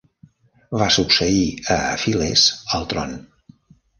Va succeir a Afiles al tron.